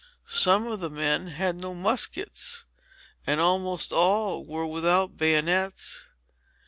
Some of the men had no muskets, and almost all were without bayonets.